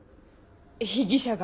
被疑者が？